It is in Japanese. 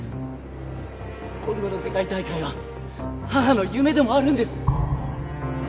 今度の世界大会は母の夢でもあるんです！